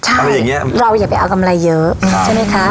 อะไรอย่างเงี้ยเราอย่าไปเอากำไรเยอะใช่ไหมคะ